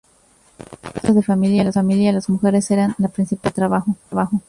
Como cabezas de familia, las mujeres eran la principal fuerza de trabajo.